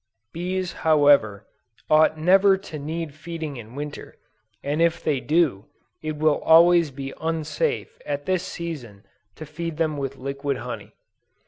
Bees however, ought never to need feeding in Winter, and if they do, it will always be unsafe at this season to feed them with liquid honey.